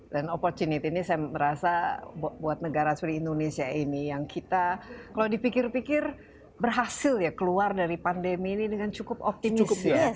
dan opportunity ini saya merasa buat negara negara indonesia ini yang kita kalau dipikir pikir berhasil ya keluar dari pandemi ini dengan cukup optimis